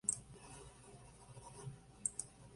Es un ángel con la voz de uno.